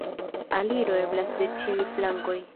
Aliro eblas de ĉiuj flankoj.